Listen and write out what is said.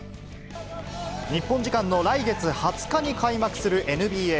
日本時間の来月２０日に開幕するＮＢＡ。